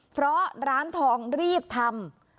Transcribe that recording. เพราะร้านทองรีบทำ